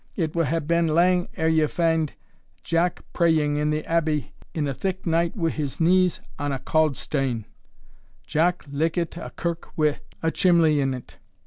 It wad hae been lang ere ye fand Jock praying in the Abbey in a thick night, wi' his knees on a cauld stane. Jock likit a kirk wi' a chimley in't.